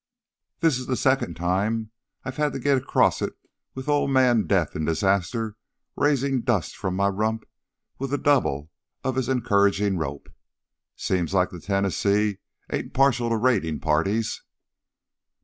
This is the second time I've had to git across it with Old Man Death an' Disaster raisin' dust from my rump with a double of his encouragin' rope. Seems like the Tennessee ain't partial to raidin' parties."